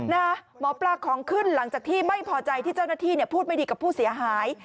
หมอปลาของขึ้นหลังจากที่ไม่พอใจที่เจ้าหน้าที่พูดไม่ดีกับผู้เสียหาย